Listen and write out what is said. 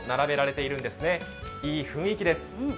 いい雰囲気です。